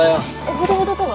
ほどほどとは？